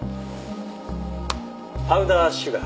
パウダーシュガー。